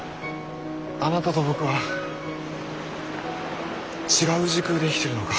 あなたと僕は違う時空で生きてるのか？